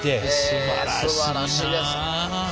すばらしいです。